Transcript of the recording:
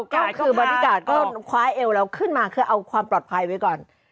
ก็คือบรรยากาศก็คว้าเอวเราขึ้นมาคือเอาความปลอดภัยไว้ก่อน